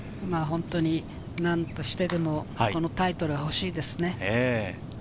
本当に、なんとしてでもこのタイトルは欲しいですね。